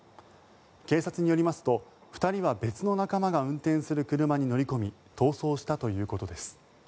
警察によりますと２人は別の仲間が運転する車に乗り込み逃走したということです。